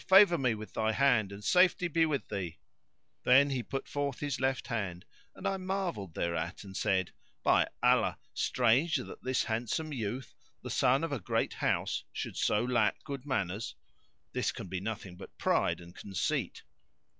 favour me with thy hand, and safety be with thee!"[FN#572] Then he put forth his left hand and I marvelled thereat and said, "By Allah, strange that this handsome youth, the son of a great house, should so lack good manners. This can be nothing but pride and conceit!"